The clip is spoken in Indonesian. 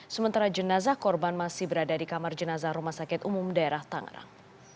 sementara jenazah korban masih berada di kamar jenazah rumah sakit umum daerah tangerang